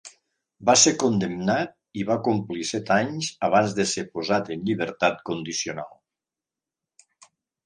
Va ser condemnat i va complir set anys abans de ser posat en llibertat condicional.